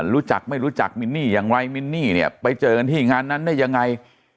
รู้จักไม่รู้จักมินนี่อย่างไรมินนี่เนี่ยไปเจอกันที่งานนั้นได้ยังไง